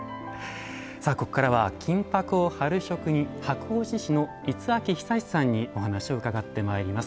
さあここからは金箔を貼る職人箔押師の五明久さんにお話を伺ってまいります。